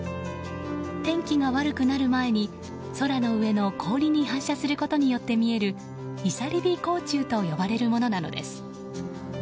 天気が悪くなる前に空の上の氷に反射することによって見える漁火光柱と呼ばれるものなのです。